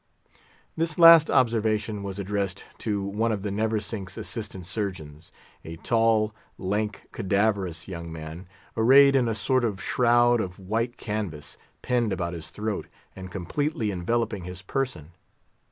This last observation was addressed to one of the Neversink's assistant surgeons, a tall, lank, cadaverous young man, arrayed in a sort of shroud of white canvas, pinned about his throat, and completely enveloping his person.